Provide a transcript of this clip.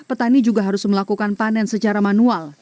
petani juga harus melakukan panen secara manual